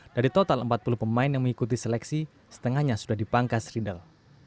dari total empat puluh pemain yang mengikuti seleksi setengahnya sudah dipangkas riedel